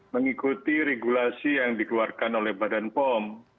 mengikuti regulasi yang dikeluarkan oleh badan pom